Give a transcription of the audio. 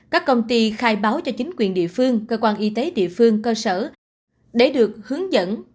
các công ty khai báo cho chính quyền địa phương cơ quan y tế địa phương cơ sở để được hướng dẫn